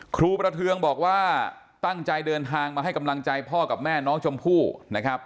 ครูประเทืองบอกว่าตั้งใจเดินทางมาให้กำลังใจพ่อกับแม่น้องชมพู่นะครับ